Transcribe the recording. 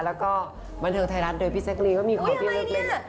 แล้วก็บันเทิงไทยรัฐโดยพี่เซ็กลีมีของที่เลือกเป็นกระเป๋าเดิมมาก